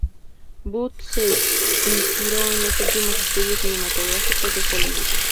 Boot se inspiró en los últimos estudios cinematográficos de Hollywood.